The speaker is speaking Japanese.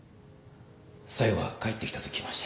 小夜が帰ってきたと聞きまして。